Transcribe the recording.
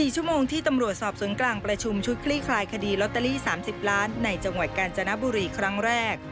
๔ชั่วโมงที่ตำรวจสอบสวนกลางประชุมชุดคลี่คลายคดีลอตเตอรี่๓๐ล้านในจังหวัดกาญจนบุรีครั้งแรก